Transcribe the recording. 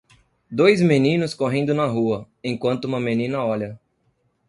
Dois meninos correndo na rua, enquanto uma menina olha.